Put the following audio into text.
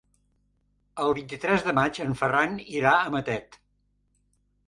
El vint-i-tres de maig en Ferran irà a Matet.